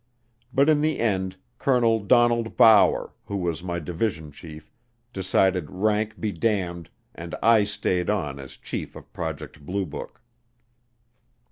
But in the end Colonel Donald Bower, who was my division chief, decided rank be damned, and I stayed on as chief of Project Blue Book.